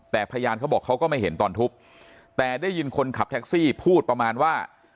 แต่พยานเขาบอกเขาก็ไม่เห็นตอนทุบแต่ได้ยินคนขับแท็กซี่พูดประมาณว่า